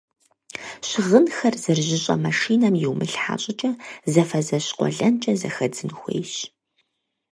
Щыгъынхэр зэрыжьыщӏэ машинэм йумылъхьэ щӏыкӏэ зэфэзэщ-къуэлэнкӏэ зэхэдзын хуейщ.